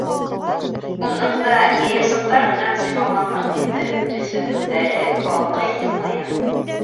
Уның да йыйырсыҡтар менән сыймаҡланған йөҙө, төҫһөҙ күҙҙәре балҡый, йылмая.